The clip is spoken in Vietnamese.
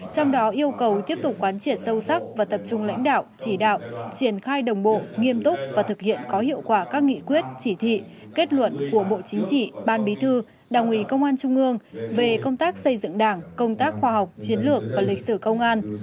trong đó yêu cầu tiếp tục quán triệt sâu sắc và tập trung lãnh đạo chỉ đạo triển khai đồng bộ nghiêm túc và thực hiện có hiệu quả các nghị quyết chỉ thị kết luận của bộ chính trị ban bí thư đảng ủy công an trung ương về công tác xây dựng đảng công tác khoa học chiến lược và lịch sử công an